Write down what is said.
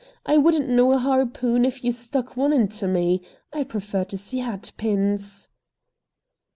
I wouldn't know a harpoon if you stuck one into me. I prefer to see hatpins."